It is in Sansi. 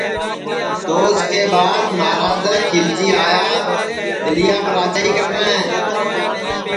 تو اُس کے بعد مہاراجا کھیلجی آیا دِلیاپ راجائی کرنے